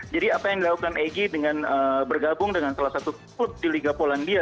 jadi apa yang dilakukan egy dengan bergabung dengan salah satu put di liga polandia